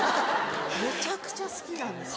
むちゃくちゃ好きなんですよ。